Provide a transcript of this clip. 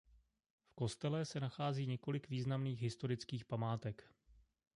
V kostele se nachází několik významných historických památek.